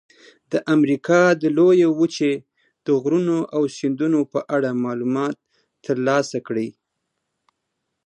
د امریکا د لویې وچې د غرونو او سیندونو په اړه معلومات ترلاسه کړئ.